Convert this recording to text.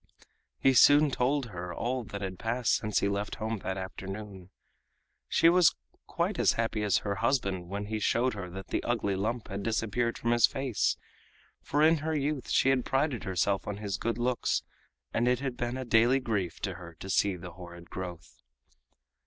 He soon told her all that had passed since he left home that afternoon. She was quite as happy as her husband when he showed her that the ugly lump had disappeared from his face, for in her youth she had prided herself on his good looks, and it had been a daily grief to her to see the horrid growth.